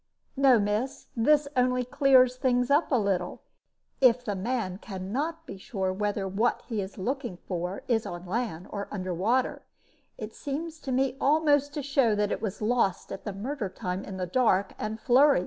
"No, miss; this only clears things up a little. If the man can not be sure whether what he is looking for is on land or under water, it seems to me almost to show that it was lost at the murder time in the dark and flurry.